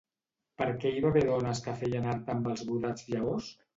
Per què hi va haver dones que feien art amb els brodats llavors?